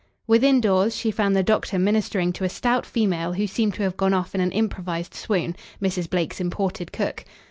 Within doors she found the doctor ministering to a stout female who seemed to have gone off in an improvised swoon Mrs. Blake's imported cook.